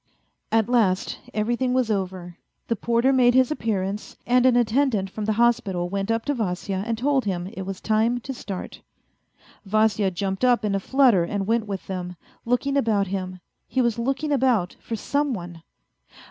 At last everything was over. The porter made his appearance, and an attendant from the hospital went up to Vasya and told him it was time to start. Vasya jumped up in a flutter and went with them, looking about him. He was looking about for some one.